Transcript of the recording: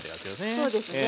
そうですね。